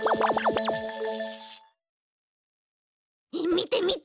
みてみて！